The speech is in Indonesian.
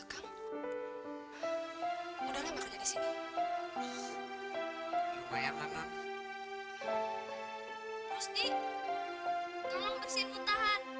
hai kamu ada di mana